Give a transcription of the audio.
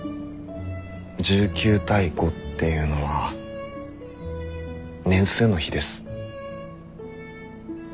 １９対５っていうのは年数の比です。